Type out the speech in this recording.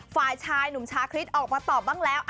ฝ่ายชายหนุ่มชาคริสออกมาตอบบ้างแล้ว